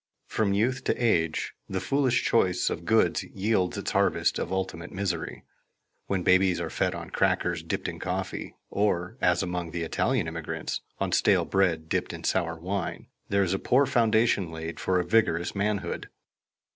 From youth to age, the foolish choice of goods yields its harvest of ultimate misery. When babies are fed on crackers dipped in coffee, or, as among the Italian immigrants, on stale bread dipped in sour wine, there is a poor foundation laid for a vigorous manhood.